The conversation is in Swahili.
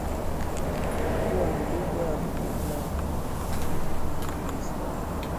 kuwa ni lugha ya kitumwa na kiislamu